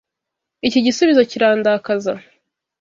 Iki gisubizo kirandakaza.